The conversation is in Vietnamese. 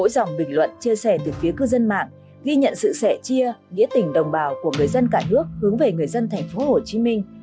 ghi nhận sự sẻ chia nghĩa tình đồng bào của người dân cả nước hướng về người dân thành phố hồ chí minh